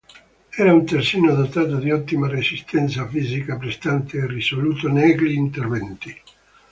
Era un terzino dotato di ottima resistenza fisica, prestante e risoluto negli interventi.